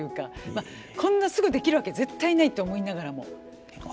まあこんなすぐできるわけ絶対ないと思いながらも。